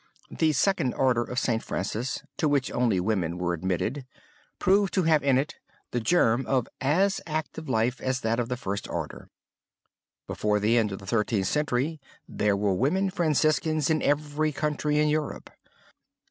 This Second Order of St. Francis to which only women were admitted proved to have in it the germ of as active life as that of the first order. Before the end of the Thirteenth Century there were women Franciscans in every country in Europe.